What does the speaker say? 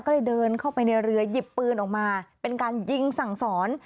ก็เลยเดินเข้าไปในเรือหยิบปืนออกมาเป็นการยิงสั่งสอน